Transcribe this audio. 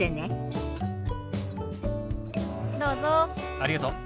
ありがとう。